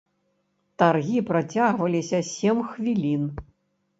Таргі працягваліся сем хвілін.